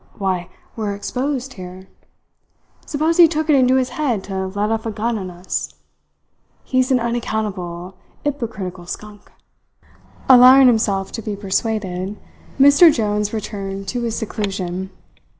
Why, we are exposed here. Suppose he took it into his head to let off a gun on us! He's an unaccountable, 'yporcritical skunk." Allowing himself to be persuaded, Mr. Jones returned to his seclusion.